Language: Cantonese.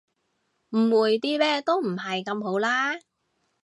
誤會啲咩都唔係咁好啦